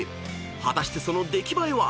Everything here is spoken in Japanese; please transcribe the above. ［果たしてその出来栄えは？